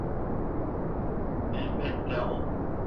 Elbette o.